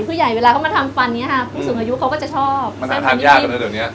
ผู้ใหญ่เวลาเขามาทำฟันอย่างเงี้ยฮะอืมผู้สูงอายุเขาก็จะชอบมันทำทานยากนะเดี๋ยวเนี้ย